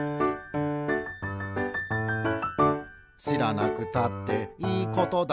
「しらなくたっていいことだけど」